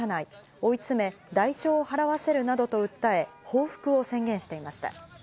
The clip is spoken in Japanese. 追い詰め、代償を払わせるなどと訴え、報復を宣言していました。